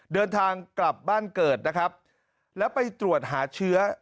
เดินทางกลับบ้านเกิดนะครับแล้วไปตรวจหาเชื้อ